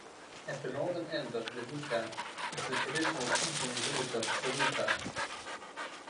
At the northern end of Levuka is the traditional Fijian village of Levuka.